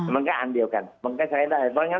มันก็อันเดียวกันมันก็ใช้ได้